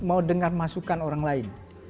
mau dengar masukan orang lain